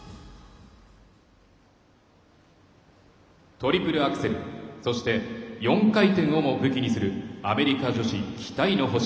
トリプルアクセルそして、４回転をも武器にするアメリカ女子期待の星。